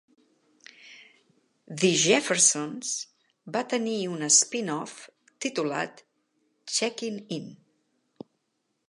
"The Jeffersons" va tenir un spin-off, titulat "Checking In".